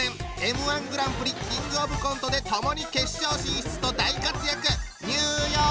Ｍ−１グランプリキングオブコントでともに決勝進出と大活躍。